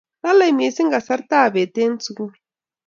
lolei mising kasartab beet eng' sukul